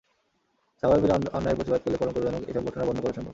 সবাই মিলে অন্যায়ের প্রতিবাদ করলে কলঙ্কজনক এসব ঘটনা বন্ধ করা সম্ভব।